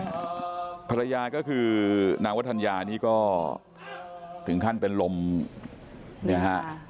ภรรยาก็คือนางวัฒนยานี่ก็ถึงขั้นเป็นลมเนี่ยฮะ